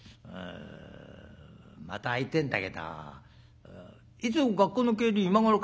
また会いてえんだけどいつも学校の帰り今頃か？」。